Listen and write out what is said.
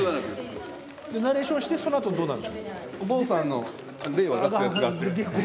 ナレーションしてそのあとどうなるの？